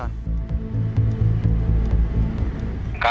jangan lupa berlangganan